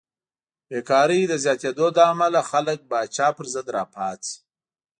بېکارۍ د زیاتېدو له امله خلک پاچا پرضد راپاڅي.